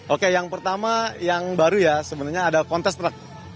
oke yang pertama yang baru ya sebenarnya ada kontes truk